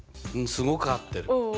すごく合ってる。